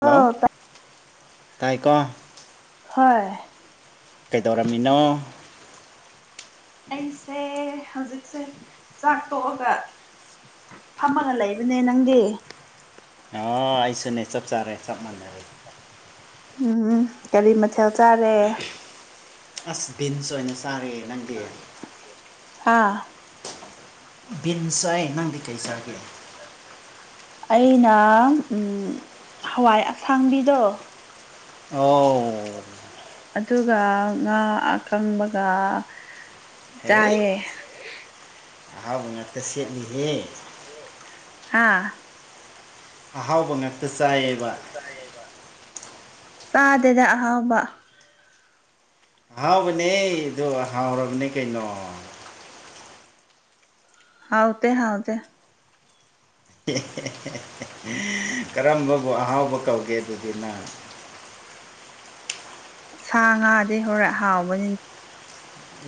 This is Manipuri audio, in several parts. ꯑ ꯍꯜꯂꯣ ꯇꯥꯏꯀꯣ ꯍꯣꯏ ꯀꯩꯗꯧꯔꯝꯃꯤꯅꯣ ꯑꯩꯁꯦ ꯍꯧꯖꯤꯛꯁꯦ ꯆꯥꯛ ꯇꯣꯛꯑꯒ ꯐꯝꯃꯒ ꯂꯩꯕꯅꯦ ꯅꯪꯗꯤ ꯑꯥ ꯑꯩꯁꯨꯅꯦ ꯆꯞ ꯆꯥꯔꯦ ꯆꯞ ꯃꯥꯟꯅꯔꯦ ꯎꯝ ꯀꯔꯤ ꯃꯊꯦꯜ ꯆꯥꯔꯦ ꯑꯁ ꯕꯤꯟꯁ ꯑꯣꯏꯅ ꯆꯥꯔꯦ ꯅꯪꯗꯤ ꯍꯥ ꯕꯤꯟꯁ ꯆꯥꯢ ꯅꯪꯗꯤ ꯀꯩ ꯆꯥꯒꯦ ꯑꯩꯅ ꯍꯋꯥꯏ ꯑꯁꯥꯡꯕꯤꯗꯣ ꯑꯣ ꯑꯗꯨꯒ ꯉꯥ ꯑꯀꯪꯕꯒ ꯆꯥꯏꯌꯦ ꯍꯥꯎꯕ ꯉꯠꯇ ꯁꯦꯠꯂꯤꯍꯦ ꯍꯥꯥ ꯑꯍꯥꯎꯕ ꯉꯥꯛꯇ ꯆꯥꯏꯌꯦꯕ ꯆꯥꯗ‌ꯦꯗ ꯑꯍꯥꯎꯕ꯫ ꯑꯍꯥꯎꯕꯅꯦ ꯗꫭ ꯍꯥꯎꯔꯕꯅꯦ ꯀꯩꯅꯣ꯫ ꯍꯥꯎꯇ‌ꯦ ꯍꯥꯎꯗ‌ꯦ꯫ ꯫ [inaudible] ꯫ [inaudible] ꯀꯔꯝꯕꯕꯨ ꯑꯍꯥꯎꯕ ꯀꯧꯒꯦ ꯑꯗꯨꯗꯤ ꯅꯪ ꯁꯥ ꯉꯥꯗꯩ ꯍꯣꯔ ꯍꯥꯎꯕꯅꯤ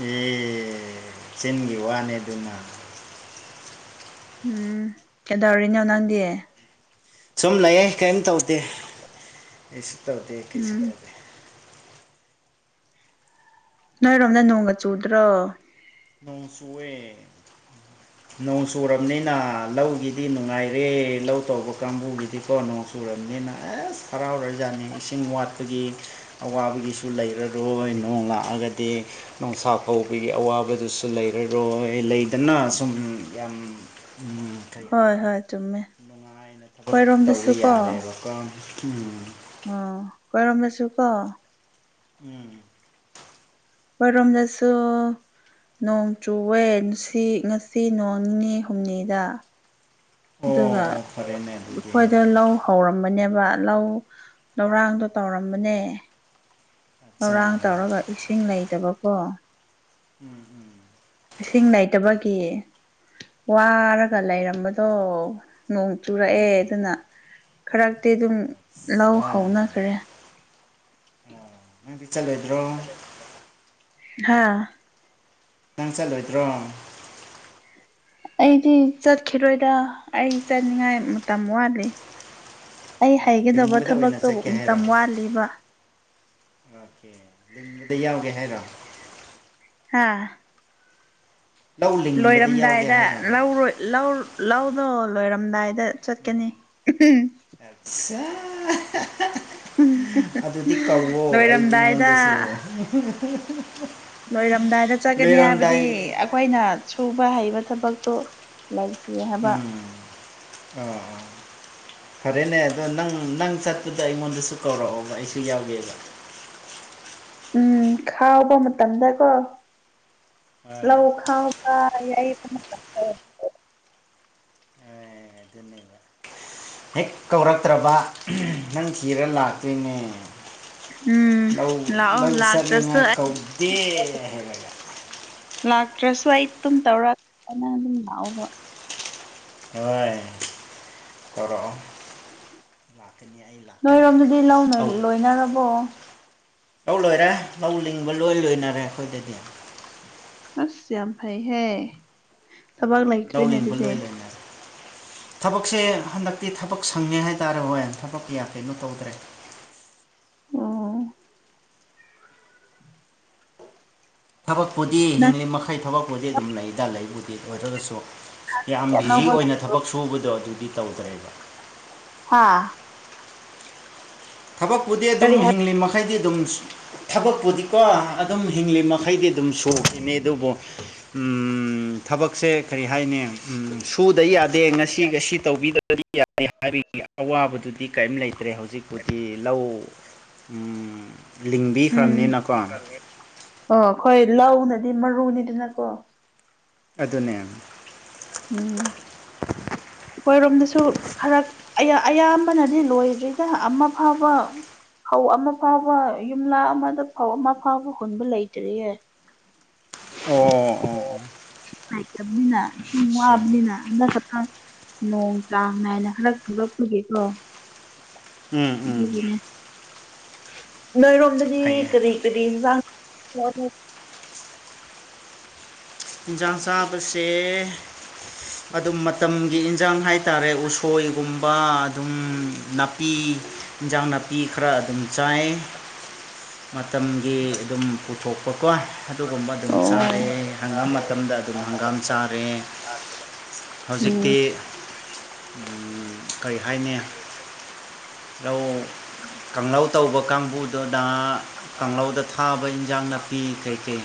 ꯑꯦ ꯆꯤꯟꯒꯤ ꯋꯥꯅꯦ ꯑꯗꯨꯅ ꯎꯝ ꯀꯩꯗꯧꯔꯤꯅꯣ ꯅꯪꯗꯤ ꯁꯨꯝ ꯂꯩꯌꯦ ꯀꯔꯤꯝ ꯇꯧꯗꯦ ꯀꯩꯁꯨ ꯇꯧꯗꯦ ꯀꯩꯁꯨ ꯎꯝ ꯇꯧꯗꯦ ꯅꯣꯏꯔꯣꯝꯗ ꯅꯣꯡꯒ ꯆꯨꯗ꯭ꯔꯣ ꯅꯣꯡ ꯆꯨꯌꯦ [inaudible] ꯅꯣꯡ ꯆꯨꯔꯕꯅꯤꯅ ꯂꯧꯒꯤꯗꯤ ꯅꯨꯡꯉꯥꯏꯔꯦ ꯂꯧ ꯇꯧꯕ ꯀꯥꯡꯕꯨꯒꯤꯗꯤꯀꯣ ꯅꯣꯡ ꯆꯨꯔꯝꯅꯤꯅ ꯑꯁ ꯍꯔꯥꯎꯔꯖꯥꯠꯅꯤ ꯏꯁꯤꯡ ꯋꯥꯠꯄꯒꯤ꯫ ꯑꯋꯥꯕꯒꯤꯁꯨ ꯂꯩꯔꯔꯣꯏ ꯅꯣꯡ ꯂꯥꯛꯑꯒꯗꯤ ꯅꯨꯡꯁꯥ ꯐꯧꯕꯒꯤ ꯑꯋꯥꯕ꯫ ꯑꯗꯨꯁꯨ ꯂꯩꯔꯔꯣꯏ ꯂꯩꯗꯅ ꯁꯨꯝ ꯌꯥꯝ꯫ ꯀꯩ ꯍꯣꯏ ꯍꯥꯏꯒꯅꯤ ꯍꯣꯏ ꯆꯨꯝꯃꯦ ꯅꯨꯡꯉꯥꯏꯅ ꯊꯕꯛ ꯇꯧꯕ ꯑꯩꯈꯣꯏꯔꯣꯝꯗꯁꯨ ꯌꯥꯔꯦꯕ ꯀꫭ꯫ ꯎꯝ ꯀꯣꯏꯔꯝꯃꯁꯨ ꯀꯣ꯫ ꯎꯝ꯫ ꯔꯣꯝꯗꯁꯨ꯫ ꯅꯣꯡ ꯆꯨꯋꯦ ꯅꯁꯤ ꯉꯁꯤ ꯅꯣꯡ ꯅꯤꯅꯤ ꯍꯨꯝꯅꯤꯗ꯫ ꯑꯣ ꯑꯗꯨꯒ ꯑꯣ ꯐꯔꯦꯅꯦ ꯑꯗꯨꯗꯤ ꯑꯈꯣꯏꯗ ꯂꯧ꯫ ꯍꯧꯔꯝꯃꯅꯦꯕ ꯂꯧ ꯂꯧꯔꯥꯡꯗꯣ ꯇꯧꯔꯝꯕꯅꯦ꯫ ꯑꯠꯆꯥ ꯂꯧꯔꯥꯡ ꯇꯧꯔꯒ ꯏꯁꯤꯡ ꯂꯩꯇꯕꯀꯣ꯫ ꯎꯝ ꯎꯝ꯫ ꯏꯁꯤꯡ ꯂꯩꯇꯕꯒꯤ ꯋꯥꯔꯒ ꯂꯩꯔꯝꯕꯗꯣ ꯅꫭꯡ꯫ ꯆꯨꯔꯛꯑꯦ ꯎꯝ ꯑꯗꯨꯅ ꯈꯔꯛꯇꯤ ꯑꯗꯨꯝ ꯂꯧ ꯑꯠꯆꯥ ꯍꯧꯅꯈ꯭ꯔꯦ꯫ ꯑꯣ ꯅꯪꯗꯤ ꯆꯠꯂꯣꯏꯗ꯭ꯔꯣ꯫ ꯍꯥꯥ ꯅꯪ ꯆꯠꯂꯣꯏꯗ꯭ꯔꯣ꯫ ꯑꯩꯗꯤ ꯆꯠꯈꯤꯔꯣꯏꯗ ꯑꯩ ꯆꯠꯅꯤꯡꯉꯥꯏ ꯃꯇꯝ ꯋꯥꯠꯂꯤ ꯑꯩ꯫ ꯎꯝ ꯍꯩꯒꯗꯕ ꯂꯤꯡꯕꯗ ꯑꯣꯏꯅ ꯊꯕꯛꯇꫭ ꯆꯠꯀꯦ ꯍꯥꯏꯔꯣ ꯃꯇꯝ ꯋꯥꯠꯂꯤꯕ꯫ ꯑꯣꯀꯦ ꯂꯤꯡꯕꯗ ꯌꯥꯎꯒꯦ ꯍꯥꯏꯔꯣ꯫ ꯍꯥꯥ꯫ ꯂꯧ ꯂꯤꯡꯕꯗ ꯌꯥꯎꯒꯦ ꯂꯣꯏꯔꯝꯗꯥꯏꯗ ꯍꯥꯏꯔꯕ ꯂꯧꯔꯣꯏ ꯂꯧ ꯂꯧꯗꯣ ꯂꯣꯏꯔꯝꯗꯥꯏꯗ꯫ ꯎꯝ ꯆꯠꯀꯅꯤ ꯑꯆꯥ꯫ ꯑꯗꯨꯗꯤ ꯀꯧꯋꯣ ꯑꯩ ꯂꯣꯏꯔꯝꯗꯥꯏꯗ ꯑꯩꯉꯣꯟꯗꯁꯨ꯫ ꯂꯣꯏꯔꯝꯗꯥꯏꯗ ꯆꯠꯀꯅꯤ ꯍꯥꯏꯕꯗꯤ ꯂꯣꯏꯔꯝꯗꯥꯏ ꯑꯈꯣꯏꯅ ꯁꯨꯕ ꯍꯩꯕ ꯊꯕꯛꯇꫭ꯫ ꯂꯩꯇ꯭ꯔ‌ꯦ꯫ ꯎꯝ ꯑꯣ꯫ ꯐꯔꯦꯅꯦ ꯑꯗꯣ ꯅꯪ ꯅꯪ ꯆꯠꯄꯗ ꯑꯩꯉꯣꯟꯗꯁꯨ ꯀꯧꯔꯛꯑꯣꯕ ꯑꯩꯁꯨ ꯌꯥꯎꯒꯦꯕ꯫ ꯎꯝ ꯈꯥꯎꯕ ꯃꯇꯝꯗꯀꯣ ꯍꯣꯏ ꯂꯧ ꯈꯥꯎ꯫ UNINTELLIGIBLE UNINTELLIGIBLE ꯍꯦꯛ ꯀꯧꯔꯛꯇ꯭ꯔꯕ ꯅꯪ ꯊꯤꯔ ꯂꯥꯛꯇꯣꯏꯅꯦ꯫ ꯎꯝ ꯂꯧ ꯂꯥꯛꯑꯣ ꯂꯧ ꯂꯥꯛꯇ꯭ꯔꯁꯨ ꯆꯠꯅꯤꯉꯥꯏ ꯑꯩ ꯀꯧꯗꯦ ꯍꯥꯏꯔꯒ꯫ ꯂꯥꯛꯇ꯭ꯔꯁꯨ ꯑꯩ ꯑꯗꯨꯝ ꯇꯧꯔ ꯅꯪ ꯑꯗꯨꯝ ꯂꯥꯛꯑꯣꯕ꯫ ꯍꯣꯏ ꯀꯧꯔꯛꯑꫭ ꯂꯥꯛꯀꯅꯤ ꯑꯩ ꯂꯥꯛ꯫ ꯅꯣꯏꯔꯣꯝꯗꯗꯤ ꯂꯧ ꯅꯣꯏ ꯂꯣꯏꯅꯔꯕꯣ ꯂꯧ ꯂꯣꯏꯔꯦ ꯂꯧ ꯂꯤꯡꯕ ꯂꯣꯏ ꯂꯣꯏꯅꯔꯦ ꯑꯩꯈꯣꯏꯗꯗꯤ ꯑꯁ ꯌꯥꯝ ꯐꯩꯍꯦ ꯊꯕꯛ ꯂꯧ ꯂꯩꯇ꯭ꯔꯔꯤꯅꯦ ꯂꯤꯡꯕ ꯑꯗꯨꯗꯤ ꯂꯣꯏ ꯂꯣꯏꯅꯔꯦ ꯊꯕꯛꯁꯦ ꯍꯟꯗꯛꯇꯤ ꯊꯕꯛ ꯁꯪꯉꯦ ꯍꯥꯏꯇꯥꯔꯦ ꯍꯣꯏ ꯊꯕꯛ ꯀꯌꯥ ꯀꯩꯅꯣ ꯇꯧꯗ꯭ꯔꯦ ꯑꯣ ꯊꯕꯛꯄꯨꯗꯤ ꯅꯪ ꯍꯤꯡꯂꯤ ꯃꯈꯩ ꯊꯕꯛꯄꯨꯗꯤ ꯑꯗꯨꯝ ꯂꯩꯗꯥ ꯂꯩꯕꯨꯗꯤ ꯑꯣꯏꯔꯒꯁꯨ ꯌꯥꯝ ꯕꯤꯖꯤ ꯑꯅꯧꯕ ꯑꯣꯏꯅ ꯊꯕꯛ ꯁꯨꯕꯗꯣ ꯑꯗꯨꯗꯤ ꯇꯧꯗ꯭ꯔꯦꯕ ꯍꯥꯥ꯫ ꯊꯕꯛꯄꯨꯗꯤ ꯀꯔꯤ ꯑꯗꯨꯝ ꯍꯥꯏ ꯍꯤꯡꯂꯤ ꯃꯈꯥ꯫ ꯃꯈꯩꯗꯤ ꯑꯗꯨꯝ ꯊꯕꯛꯄꯨꯗꯤꯀꯣ ꯑꯗꯨꯝ ꯍꯤꯡꯂꯤ ꯃꯈꯩꯗꯤ ꯑꯗꯨꯝ ꯁꯨꯈꯤꯅꯤ ꯑꯗꯨꯕꯨ꯫ ꯎꯝ ꯊꯕꯛꯁꯦ ꯀꯔꯤ ꯍꯥꯏꯅꯤ ꯁꯨꯗ ꯌꯥꯗꯦ ꯉꯁꯤꯒꯁꯤ ꯇꯧꯕꯤꯗ꯫ ꯌꯥ ꯍꯥꯏꯕꯒꯤ ꯑꯋꯥꯕꯗꯨꯗꯤ ꯀꯩꯝ ꯂꯩꯇ꯭ꯔꯦ ꯍꯧꯖꯤꯛ꯫ ꯗꯤ ꯂꯧ ꯎꯝ ꯂꯤꯡꯕꯤꯈ꯭ꯔꯝꯅꯤꯅꯀꯣ꯫ ꯑꯣ ꯑꯈꯣꯏ ꯂꯧꯅꯗꯤ ꯃꯔꯨꯅꯤꯗꯅꯀꯣ꯫ ꯑꯗꯨꯅꯦ ꯎꯝ ꯑꯩꯈꯣꯏꯔꯣꯝꯗꯁꯨ ꯈꯔ ꯑꯌꯥꯝꯕꯅꯗꯤ ꯂꯣꯏꯗ꯭ꯔꯤꯗ ꯑꯃ ꯐꯥꯎꯕ ꯐꯧ ꯑꯃ ꯐꯥꯎꯕ ꯌꯨꯝꯂꯥ ꯑꯃꯗ ꯐꯧ ꯑꯃ ꯐꯥꯎꯕ ꯍꯨꯟꯕ ꯂꯩꯇ꯭ꯔꯤꯌꯦ ꯑꯣ ꯑꯣ ꯑꯣ ꯍꯥꯏ ꯇꯕꯂꯤꯅꯕꯂꯤꯅ ꯑꯗꯨ ꯑꯠꯆꯥ ꯋꯥꯕꯅꯤꯅ ꯑꯟꯗꯥꯛ ꯀꯊ ꯅꯣꯡ ꯀꯥꯡꯅꯥ ꯍꯥꯏꯅ ꯍꯗꯛ ꯊꯣꯛꯂꯛꯄꯒꯦꯀꯣ ꯎꯝ ꯎꯝ ꯑꯗꯨꯒꯤꯅꯦ ꯅꯣꯏꯔꯣꯝꯗꯗꯤ ꯐꯩꯌꯦ ꯀꯔꯤ ꯀꯔꯤ ꯌꯦꯟꯁꯥꯡ UNINTELLIGIBLE ꯏꯟꯖꯥꯟ ꯆꯕꯁꯦ ꯑꯗꯨꯝ ꯃꯇꯝꯒꯤ ꯏꯟꯁꯥꯡ ꯍꯥꯏꯇꯥꯔꯦ ꯎꯁꯣꯏꯒꯨꯝꯕ ꯑꯗꯨꯝ ꯅꯥꯄꯤ ꯏꯟꯖꯥꯡ ꯅꯥꯄꯤ ꯈꯔ ꯑꯗꯨꯝ ꯆꯥꯏ INAUDIBLE ꯃꯇꯝꯒꯤ ꯑꯗꯨꯝ ꯄꯨꯊꯣꯛꯄꯀꯣ ꯑꯗꯨꯒꯨꯝꯕ ꯑꯗꯨꯝ ꯑꯣ ꯆꯥꯔꯦ ꯍꯪꯒꯥꯝ ꯃꯇꯝꯗ ꯑꯗꯨꯝ ꯍꯪꯒꯥꯝ ꯆꯥꯔꯦ ꯎꯝ ꯍꯧꯖꯤꯛꯇꯤ ꯀꯔꯤ ꯍꯥꯏꯅꯤ ꯂꯧ ꯀꯥꯡꯧ ꯇꯧꯕ ꯀꯥꯡꯕꯨꯗꯨꯣ ꯅꯍ ꯀꯥꯡꯧꯗ ꯊꯥꯕ ꯏꯟꯖꯥꯡ ꯅꯥꯄꯤ ꯀꯩ ꯀꯩ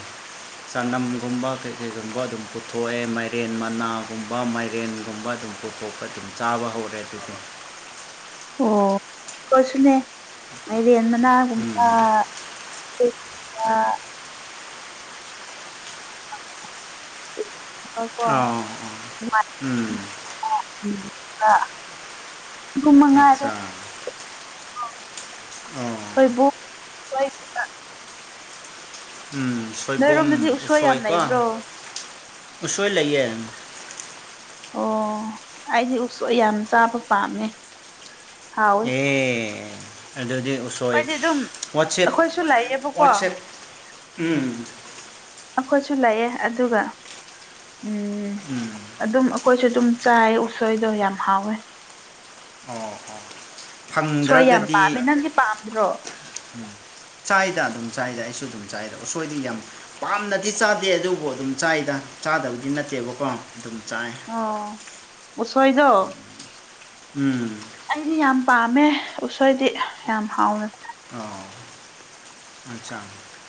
ꯆꯅꯝ ꯨ ꯀꯩ ꯀꯩꯒꯨꯝꯕ ꯑꯗꯨꯝ ꯄꯨꯊꯣꯛꯑꯦ ꯃꯥꯏꯔꯦꯟ ꯃꯅꯥꯒꯨꯝꯕ ꯃꯥꯏꯔꯦꯟꯒꯨꯝꯕ ꯑꯗꯨꯝ ꯑ ꯈꯣꯠꯄ ꯑꯗꯨꯝ ꯆꯥꯕ ꯍꯧꯔꯦ ꯑꯗꯨꯗꯤ ꯑꯣ ꯑꯈꯣꯏꯁꯨꯅꯦ ꯃꯥꯏꯔꯦꯟ ꯃꯅꯥ ꯎꯝ ꯒꯨꯝꯕ UNINTELLIGIBLE ꯑ ꯀꯣ ꯎꯝ ꯑ UNINTELLIGIBLE ꯑꯆꯥ ꯑꯣ ꯁꯣꯏꯕꯨꯝ ꯍꯣꯏ UNINTELLIGIBLE ꯎꯝ ꯁꯣꯏꯕꯨꯝ ꯅꯣꯏꯔꯣꯝꯗꯗꯤ ꯎꯁꯣꯏ ꯌꯥꯝ ꯎꯁꯣꯏꯀꯣ ꯂꯩꯕ꯭ꯔꯣ ꯎꯁꯣꯏ ꯂꯩꯌꯦ ꯑꯣ ꯑꯩꯗꯤ ꯎꯁ ꯌꯥꯝ ꯆꯥꯕ ꯄꯥꯝꯃꯦ ꯍꯥꯎꯋꯦ ꯑꯦ ꯑꯗꯨꯗꯤ ꯍꯣꯏ ꯑꯩꯈꯣꯏꯗꯤ ꯑꯗꯨꯝ ꯋꯥꯠꯁꯦꯞ ꯑꯩꯈꯣꯏꯁꯨ ꯂꯩꯌꯦꯕꯀꯣ ꯋꯥꯠꯁꯦꯞ ꯎꯝ ꯑꯩꯈꯣꯏꯁꯨ ꯂꯩꯌꯦ ꯑꯗꯨꯒ ꯎꯝ ꯎꯝ ꯑꯗꯨꯝ ꯑꯩꯈꯣꯏꯁꯨ ꯑꯗꯨꯝ ꯆꯥꯏ ꯎꯁꯣꯏꯗꯣ ꯌꯥꯝ ꯍꯥꯎꯋꯦ ꯑꯣ ꯍꯣ ꯎꯁꯣꯏ ꯌꯥꯝ ꯄꯥꯝꯃꯦ ꯅꯪꯗꯤ ꯄꯥꯝꯗ꯭ꯔꯣ ꯎꯝ ꯆꯥꯏꯗ ꯑꯗꯨꯝ ꯆꯥꯏꯗ ꯑꯩꯁꯨ ꯑꯗꯨꯝ ꯆꯥꯏꯗ ꯎꯁꯣꯏꯗꯤ ꯌꯥꯝ ꯄꯥꯝꯅꯗꯤ ꯆꯥꯗꯦ ꯑꯗꯨꯕꯨ ꯑꯗꯨꯝ ꯆꯥꯏꯗ ꯆꯥꯗꯕꯗꯤ ꯅꯠꯇꯦꯕꯀꯣ ꯑꯗꯨꯝ ꯆꯥꯏ ꯎꯁꯣꯏꯗꫭ ꯎꯝ ꯑꯩꯗꯤ ꯌꯥꯝ ꯄꯥꯝꯃꯦ ꯎꯁꯣꯏꯗꯤ ꯌꯥꯝ ꯍꯥꯎꯅ ꯑꯣ ꯑꯆꯥꯆꯥ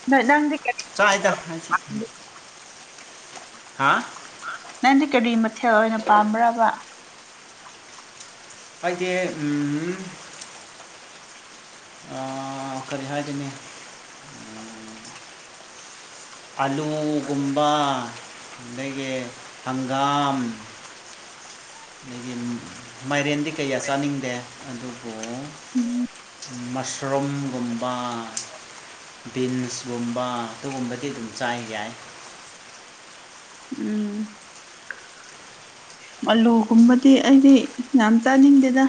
ꯅ ꯅꯪꯗꯤ ꯀꯔꯤ ꯆꯥꯏꯗ ꯑꯩꯁꯨ ꯍꯥ ꯅꯪꯗꯤ ꯀꯔꯤ ꯃꯊꯦꯜ ꯑꯣꯏꯅ ꯄꯥꯝꯕ꯭ꯔꯕ ꯑꯩꯗꯤ ꯑꯥꯝ ꯑꯥ ꯀꯔꯤ ꯍꯥꯏꯗꯨꯅꯤ ꯑꯂꯨꯒꯨꯝꯕ ꯑꯗꯒꯤ ꯍꯪꯒꯥꯝ ꯑꯗꯒꯤ ꯃꯥꯏꯔꯦꯟꯗꯤ ꯀꯩꯌꯥ ꯆꯥꯅꯤꯡꯗꯦ ꯑꯗꯨꯕꯨ ꯎꯝ ꯃꯁꯔꯨꯝꯒꯨꯝꯕ ꯕꯤꯟꯁꯒꯨꯝꯕ ꯑꯗꯨꯒꯨꯝꯕꯗꯤ ꯑꯗꯨꯝ ꯆꯥꯏ ꯌꯥꯏ ꯎꯝ ꯑꯂꯨꯒꯨꯝꯕꯗꯤ ꯑꯩꯗꯤ ꯌꯥꯝ ꯆꯥꯅꯤꯡꯗꯦꯗ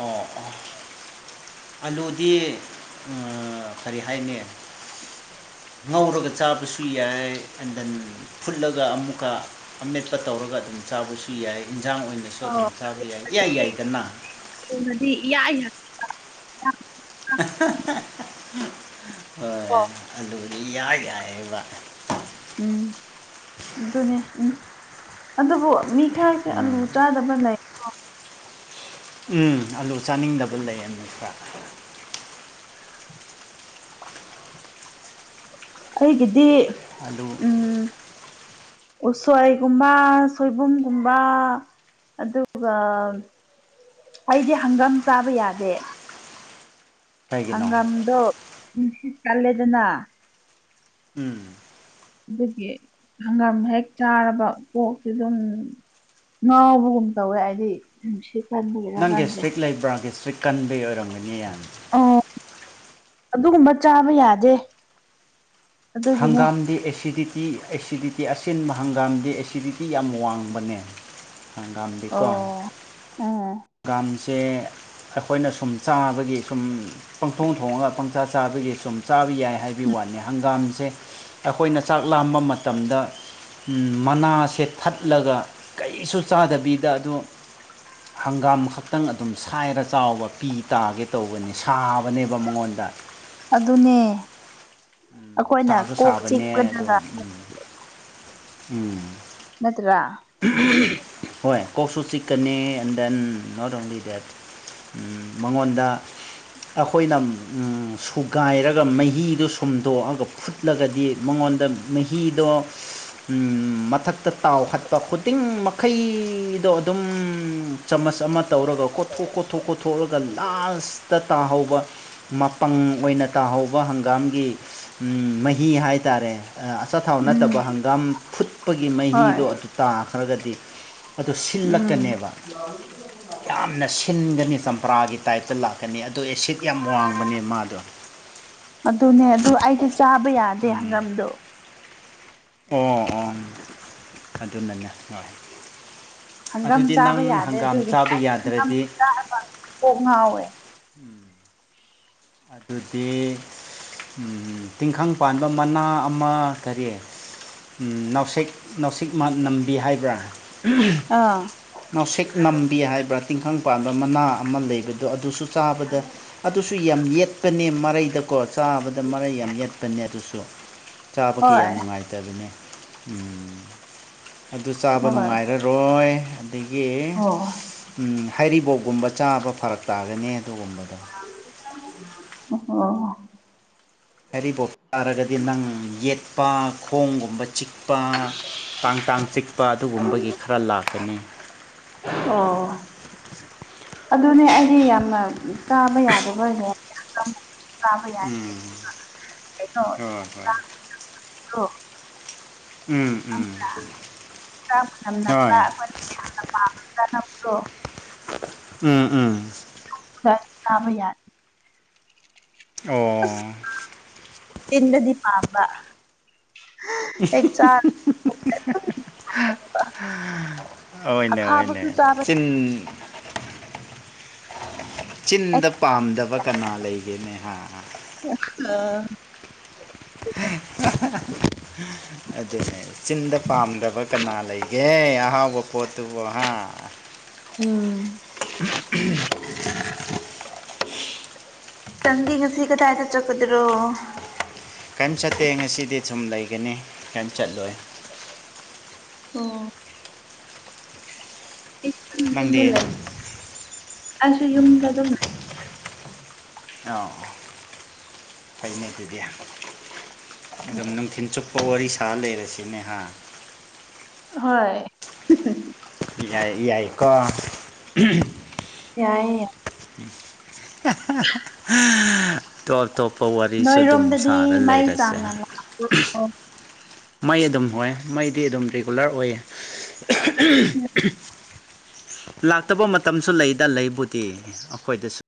ꯑꯣ ꯑꯂꯨꯗꯤ ꯀꯔꯤ ꯍꯥꯏꯅꯤ ꯉꯧꯔꯒ ꯆꯥꯕꯁꯨ ꯌꯥꯏ ꯑꯦꯟ ꯗꯦꯟ ꯐꯨꯠꯂꯒ ꯑꯃꯨꯛꯀ ꯑꯃꯦꯠꯄ ꯇꯧꯔꯒ ꯑꯗꯨꯝ ꯆꯥꯕꯁꯨ ꯌꯥꯏ ꯏꯟꯖꯥꯡ ꯑꯣꯏꯅ ꯑꯣ ꯁꯣꯏꯗꯅ ꯆꯥꯕ ꯌꯥꯏ ꯌꯥꯏ ꯌꯥꯏꯗꯅꯥ ꯊꫭꯡꯑꯗꯤ ꯌꯥ ꯌꯥꯏ ꯌꯥꯗ꯭ꯔꯣ ꯍꯣꯏ ꯑꯗꯨꯕꯨꯗꯤ ꯌꯥꯏ ꯌꯥꯏꯑꯕ ꯎꯝ ꯑꯗꯨꯅꯦ ꯎ ꯑꯗꯨꯕꯨ ꯃꯤ ꯈꯔꯗꯤ ꯎꯝ ꯑꯂꯨ ꯆꯥꯗ ꯑꯃ ꯂꯩ ꯎꯝ ꯑꯂꯨ ꯆꯥꯅꯤꯡꯗꯕ ꯂꯩꯌꯦ ꯅꯠꯇ꯭ꯔꯥ ꯑꯩꯒꯤꯗꯤ ꯑꯗꯨ ꯎꯝ ꯎꯁꯣꯏꯒꯨꯝꯕ ꯁꯣꯏꯕꯨꯝꯒꯨꯝꯕ ꯑꯗꯨꯒ ꯑꯩꯗꯤ ꯍꯪꯒꯥꯝ ꯆꯥꯕ ꯌꯥꯗꯦ ꯀꯩꯒꯤꯅꯣ ꯍꯪꯒꯥꯝꯗꯣ ꯆꯂꯦꯗꯅ ꯎꯝ ꯑꯗꯨꯒꯤ ꯍꯪꯒꯥꯝ ꯍꯦꯛ ꯆꯥꯔꯕ ꯀꯣꯛꯁꯤ ꯑꯗꯨꯝ ꯉꯥꯎꯕꯒꯨꯝ ꯇꯧꯋꯦ ꯍꯥꯏꯗꯤ ꯅꯨꯡ ꯁꯤ ꯀꯟꯕꯤꯔꯥ ꯀꯟꯗ꯭ꯔꯦ ꯕ ꯗꯤꯁ꯭ꯔꯤꯛ [inaudible] ꯀꯟꯕꯩ ꯑꯣꯏꯔꯝꯒꯅꯤ ꯌꯥꯝꯅ ꯑꯣ ꯑꯗꯨꯒꯨꯝꯕ ꯆꯥꯕ ꯌꯥꯗꯦ ꯑꯗꯨꯒꯤꯅꯦ ꯍꯪꯒꯥꯝꯗꯤ ꯑꯦꯁꯤꯗꯤꯠ ꯇꯤ ꯑꯦꯁꯤꯗꯤꯇꯤ ꯑꯁꯤꯟꯕ ꯍꯪꯒꯥꯝꯗꯤꯦ ꯑꯦꯁꯤꯗꯤꯇꯤ ꯌꯥꯝ ꯋꯥꯡꯕꯅꯦ ꯍꯪꯒꯝꯗꯤꯀꯣ ꯑꯣ ꯎꯝ ꯍꯪꯒꯝꯁꯦ ꯑꯩꯈꯣꯏꯅ ꯁꯨꯝ ꯆꯥꯕꯒꯤ ꯁꯨꯝ ꯄꯪꯊꯣꯡ ꯊꯣꯡꯉꯒ ꯄꯪꯆꯥ ꯆꯥꯕꯒꯤ ꯁꯨꯝ ꯆꯥꯕ ꯌꯥꯏ ꯍꯥꯏꯕꯒꯤ ꯋꯥꯅꯤ ꯍꯪꯒꯥꯝ ꯁꯦ ꯑꯩꯈꯣꯏꯅ ꯆꯥꯛ ꯂꯥꯝꯕ ꯃꯇꯝꯗ ꯃꯅꯥꯁꯦ ꯊꯠꯂꯒ ꯀꯩꯁꯨ ꯆꯥꯗꯕꯤꯗ ꯑꯗꯨ [inaudible] ꯍꯪꯒꯥꯝ ꯈꯛꯇꯪ ꯑꯗꯨꯝ ꯁꯥꯏꯔ ꯆꯥꯎꯕ ꯄꯤ ꯇꯥꯒꯦ ꯇꯧꯕꯅꯦ ꯁꯥꯕꯅꯦꯕ ꯃꯉꯣꯟꯗ ꯑꯗꯨꯅꯦ ꯑꯩꯈꯣꯏꯅ ꯁꯥꯁꯨ ꯀꯣꯛ ꯁꯥꯕꯅꯦ ꯑꯗꯣ ꯆꯤꯛꯄꯗꯒ ꯎꯝ ꯅꯠꯇ꯭ꯔꯥ ꯍꯣꯏ ꯀꯣꯛꯁꯨ ꯆꯤꯛꯀꯅꯤ and then not only that ꯃꯉꯣꯟꯗ ꯑꯩꯈꯣꯏꯅ ꯁꯨꯒꯥꯏꯔꯒ ꯃꯍꯤꯗꯨ ꯁꯨꯝꯗꯣꯛꯑꯒ ꯐꯨꯠ ꯐꯨꯠꯂꯒꯗꯤ ꯃꯉꯣꯟꯗ ꯃꯍꯤꯗꯣ ꯃꯊꯛꯇ ꯇꯥꯎ ꯍꯠ ꯀꯣ ꯈꯨꯗꯤꯡ ꯃꯈꯩꯗꯣ ꯑꯗꯨꯝ ꯆꯥꯃꯁ ꯑꯃ ꯇꯧꯔꯒ ꯀꯣꯠꯊꯣꯛ ꯀꯣꯠꯊꯣꯛ ꯈꯣꯠꯊꯣꯛꯂꯒ ꯂꯥꯁꯇ ꯇꯥꯍꯧꯕ ꯃꯄꯪ ꯑꯣꯏꯅ ꯇꯥꯍꯧꯕ ꯍꯪꯒꯥꯝꯒꯤ ꯃꯍꯤ ꯍꯥꯏꯇꯥꯔꯦ ꯑꯆꯥꯊꯥꯎ ꯎꯝ ꯅꯠꯇꯕ ꯍꯪꯒꯥꯝ ꯐꯨꯠꯄꯒꯤ ꯍꯣꯏ ꯃꯍꯤꯗꯣ ꯑꯗꯨ ꯄꯈ꯭ꯔꯒꯗꯤ ꯑꯗꯨ ꯎꯝ ꯁꯤꯜꯂꯛꯀꯅꯦꯕ ꯌꯥꯝꯅ ꯁꯤꯟꯒꯅꯤ ꯆꯝꯄ꯭ꯔꯥꯒꯤ ꯇꯥꯏꯞꯇ ꯂꯥꯛꯀꯅꯤ ꯑꯗꯣ ꯑꯦꯁꯤꯠ ꯌꯥꯝ ꯋꯥꯡꯕꯅꯦ ꯃꯥꯗꯣ ꯑꯗꯨꯅꯦ ꯑꯗꯨ ꯑꯩꯗꯤ ꯆꯥꯕ ꯌꯥꯗꯦ ꯍꯪꯒꯥꯝꯗꯣ ꯑꯣ ꯑꯣ ꯑꯗꯨꯅꯅꯦ ꯍꯣꯏ ꯍꯪꯒꯥꯝ ꯑꯗꯨꯗꯤ ꯆꯥꯕ ꯅꯪ ꯌꯥꯗꯦ ꯍꯪꯒꯥꯝ ꯑꯗꯨꯒꯤ ꯆꯥꯕ ꯍꯪꯒꯥꯝ ꯌꯥꯗ꯭ꯔꯗꯤ ꯆꯥꯔꯕ ꯀꯣꯛ ꯉꯥꯎꯋꯦ ꯎꯝ ꯑꯗꯨꯗꯤ ꯇꯤꯡꯈꯪ ꯄꯥꯟꯕ ꯃꯅꯥ ꯑꯃ ꯀꯔꯤ ꯅꯥꯎꯁꯦꯛ ꯅꯥꯎꯁꯦꯛ ꯅꯝꯕꯤ ꯍꯥꯏꯕ꯭ꯔꯥ ꯑꯥ ꯅꯥꯎꯁꯦꯛ ꯅꯝꯕꯤ ꯍꯥꯏꯕ꯭ꯔꯥ ꯇꯤꯡꯈꯪ ꯄꯥꯟꯕꯤ ꯃꯅꯥ ꯑꯃ ꯂꯩꯕꯗꯣ ꯑꯗꯨꯁꯨ ꯆꯥꯕꯗ ꯑꯗꯨꯁꯨ ꯌꯥꯝ ꯌꯦꯠꯄꯅꯦ ꯃꯔꯩꯗꯀꯣ ꯆꯥꯕꯗ ꯃꯔꯩ ꯌꯥꯝ ꯌꯦꯠꯄꯅꯦ ꯑꯗꯨꯁꯨ ꯆꯥꯕ ꯌꯥꯝ ꯍꯣꯏ ꯅꯨꯡꯉꯥꯏꯇꯕꯅꯦ ꯎꯝ ꯑꯗꯨ ꯆꯥꯕ ꯍꯣꯏ ꯅꯨꯡꯉꯥꯏꯔꯥꯔꯣꯢ ꯍꯣꯏ ꯑꯗꯒꯤ ꯑꯣ ꯍꯩꯔꯤꯕꯣꯞꯀꯨꯝꯕ ꯆꯥꯕ ꯐꯔꯛ ꯇꯥꯒꯅꯤ ꯑꯗꯨꯒꯨꯝꯕꯗꯣ ꯑꯣ ꯍꯥꯏꯔꯤꯕꯣꯞ ꯇꯥꯔꯒꯗꯤ ꯅꯪ ꯌꯦꯠꯄ ꯈꯣꯡꯒꯨꯝꯕ ꯆꯤꯛ ꯇꯥꯡ ꯇꯥꯡ ꯆꯤꯛꯄ ꯑꯗꯨꯒꯨꯝꯕꯒꯤ ꯈꯔ ꯂꯥꯛꯀꯅꯤ ꯑꯣ ꯑꯗꯨꯅꯦ ꯑꯩꯗꯤ ꯌꯥꯝꯅ ꯆꯥꯕ ꯌꯥꯗꯕꯅꯦ ꯇꯥꯕ ꯌꯥꯔꯦ ꯎꯝ ꯑꯗꯨꯒ ꯀꯩꯅꯣ ꯍꯣꯏ ꯇꯥ [unintelligible] ꯎꯝ ꯎꯝ ꯝꯕ ꯅꯗꯨ [inaudible] ꯎꯝ ꯎꯝ ꯈꯔꯥ ꯆꯥꯕꯥ ꯌꯥꯏ ꯑꯣ ꯐꯩꯅꯗꯤ ꯄꯥꯝꯕ ꯑꯦ ꯆ [inaudible] ꯍꯣꯏꯅꯦ ꯍꯣꯢꯅꯦ ꯆꯥꯕ ꯆꯤꯟ ꯆꯤꯟꯗ ꯄꯥꯝꯗꯕ ꯀꯅꯥ ꯂꯩꯒꯦꯅꯦ ꯍꯥ ꯑꯍꯥ ꯑꯗꯨꯅꯦ ꯆꯤꯟꯗ ꯄꯥꯝꯗꯕ ꯀꯅꯥ ꯂꯩ ꯌꯦ ꯑꯥꯍꯥꯎꯕ ꯄꯣꯠꯇꯨꯕꯨ ꯍꯥꯥ ꯎꯝ ꯇꯪꯒ ꯉꯥꯁꯤ ꯒꯗꯥꯏꯗꯥ ꯆꯠꯀꯗ꯭ꯔꯣ ꯀꯏꯝ ꯆꯠꯇꯦ ꯉꯁꯤꯗꯤ ꯁꯨꯝ ꯂꯩꯒꯅꯤ ꯀꯏꯝ ꯆꯠꯂꯣꯏ ꯑꯣ ꯑꯩꯁꯨ ꯅꯪꯗꯤ ꯌꯨꯝꯗ ꯂꯩ ꯑꯩꯁꯨ ꯎꯝ ꯌꯨꯝꯗ ꯑ ꯑꯗꯨꯝ ꯂꯩ ꯑꯣ ꯐꯩꯅꯦ ꯑꯗꯨꯗꯤ ꯗꯨꯝ ꯅꯨꯡꯊꯤꯟ ꯆꯨꯞꯄ ꯋꯥꯔꯤ ꯁꯥ ꯂꯩꯔꯁꯤꯅꯦꯍꯥ ꯍꯣꯏ [inaudible] ꯌꯥꯏ ꯌꯥꯏꯀꯣ ꯌꯥꯏꯌꯦ ꯍꯥꯥ ꯇꯣꯞ ꯇꯣꯞꯄ ꯋꯥꯔꯤꯁꯨ ꯑꯗꯨꯝ ꯅꯣꯏꯔꯣꯝꯗꯗꯤ ꯁꯥꯔ ꯃꯩ ꯂꯩꯔꯁꯦ ꯆꯥꯡꯅ ꯂꯥꯛꯄ꯭ꯔꯣ ꯃꯩ ꯑꯗꯨꯝ ꯅꯨꯉꯥꯏ ꯃꯩꯗꯤ ꯑꯗꯨꯝ ꯔꯤꯒꯨꯂꯔ ꯑꯣꯏꯌꯦ [unintelligible] ꯂꯥꯛꯇꯕ ꯃꯇꯝꯁꯨ ꯂꯩꯗ ꯂꯩꯕꯨꯗꯤ ꯑꯩꯈꯣꯏꯗꯁꯨ